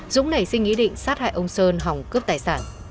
dũng nảy sinh ý định sát hại ông sơn hòng cướp tài sản